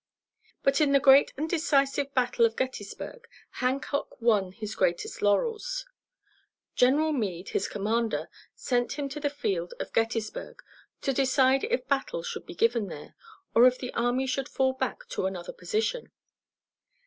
But in the great and decisive battle of Gettysburg Hancock won his greatest laurels. General Meade, his commander, sent him to the field of Gettysburg to decide if battle should be given there, or if the army should fall back to another position.